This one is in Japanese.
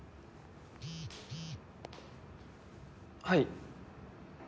はい。